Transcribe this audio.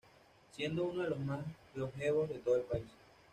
Siendo uno de los más longevos de todo el país.